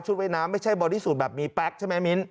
ว่ายน้ำไม่ใช่บอดี้สูตรแบบมีแป๊กใช่ไหมมิ้น